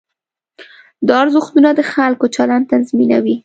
دا ارزښتونه د خلکو چلند تنظیموي.